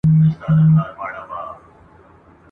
سمدستي یې سوله خلاصه د زړه غوټه !.